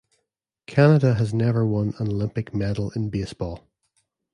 Canada has never won an Olympic medal in baseball.